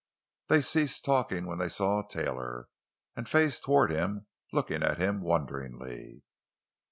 They ceased talking when they saw Taylor, and faced toward him, looking at him wonderingly.